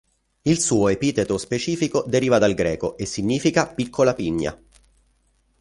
Il suo epiteto specifico deriva dal greco e significa "piccola pigna".